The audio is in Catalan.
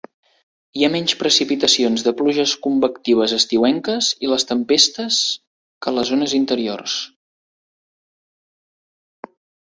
Hi ha menys precipitacions de pluges convectives estiuenques i les tempestes que a les zones interiors.